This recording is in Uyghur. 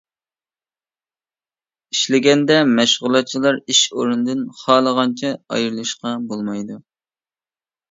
ئىشلىگەندە، مەشغۇلاتچىلار ئىش ئورنىدىن خالىغانچە ئايرىلىشقا بولمايدۇ.